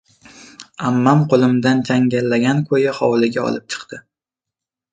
Ammam qo‘limdan changallagan ko‘yi hovliga olib chiqdi.